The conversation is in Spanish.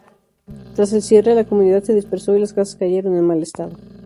Tras el cierre, la comunidad se dispersó y las casas cayeron en mal estado.